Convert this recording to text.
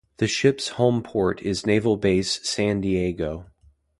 The ship's home port is Naval Base San Diego.